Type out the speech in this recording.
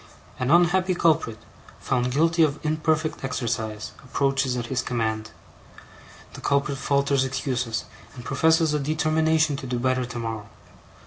An unhappy culprit, found guilty of imperfect exercise, approaches at his command. The culprit falters excuses, and professes a determination to do better tomorrow.